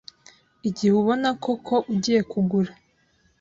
Igihe ubona koko ugiye kugura,